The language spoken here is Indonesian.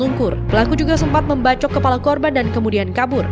lumpur pelaku juga sempat membacok kepala korban dan kemudian kabur